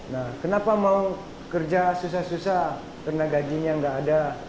nah kenapa mau kerja susah susah karena gajinya nggak ada